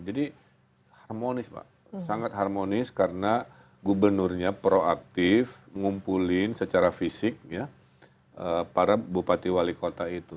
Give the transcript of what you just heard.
jadi harmonis sangat harmonis karena gubernurnya proaktif ngumpulin secara fisik ya para bupati wali kota itu